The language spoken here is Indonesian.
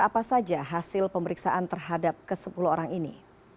apa saja hasil pemeriksaan terhadap ke sepuluh orang ini